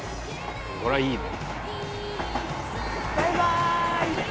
これはいいな。